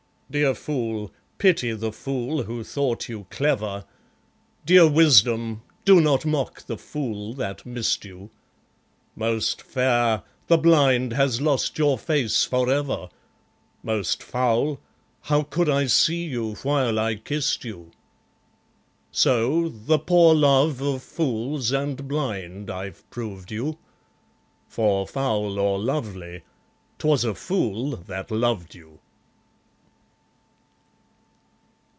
Dear fool, pity the fool who thought you clever! Dear wisdom, do not mock the fool that missed you! Most fair, the blind has lost your face for ever! Most foul, how could I see you while I kissed you? So ... the poor love of fools and blind I've proved you, For, foul or lovely, 'twas a fool that loved you.